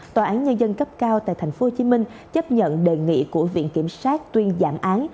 tòa án nhân dân cấp cao tại tp hcm chấp nhận đề nghị của viện kiểm sát tuyên giảm án